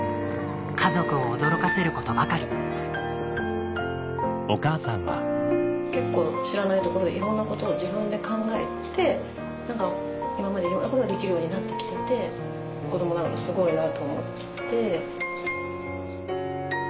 家族を驚かせることばかり結構知らないところでいろんなことを自分で考えて今までいろんなことができるようになって来てて子供ながらにすごいなと思って。